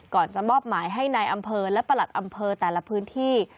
ก่อนจะมอบหมายให้นายอำเภอและประหลัดอำเภอแต่ละพื้นที่